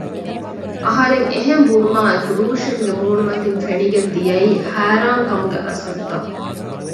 އަހަރެން އެހެން ބުނުމާއެކު ރޫޝިންގެ މޫނުމަތިން ފެނިގެން ދިޔައީ ހައިރާން ކަމުގެ އަސަރުތައް